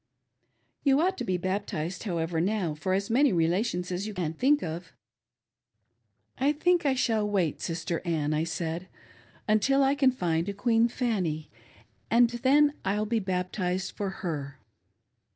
You ought to be bap tized, however, now for as many relations as you can think of." " I think I shall wait. Sister Ann," I said, " until I can find a Queen Fanny, and then I'll be baptized for her."